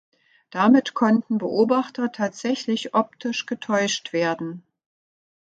Damit konnten Beobachter tatsächlich optisch getäuscht werden.